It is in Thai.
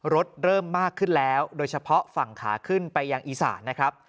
เริ่มมากขึ้นแล้วโดยเฉพาะฝั่งขาขึ้นไปยังอีสานนะครับ